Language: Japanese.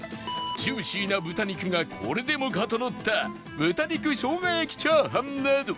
ジューシーな豚肉がこれでもかとのった豚肉生姜焼きチャーハンなど